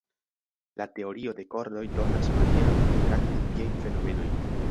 La Teorio de kordoj donas manieron pritrakti tiajn fenomenojn.